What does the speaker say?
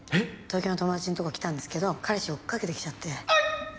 東京の友達のとこ来たんですけど彼氏追っかけてきちゃって。